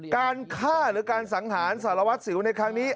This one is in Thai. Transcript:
การฆ่าหรือการสังหารสารวัตรสิวในครั้งนี้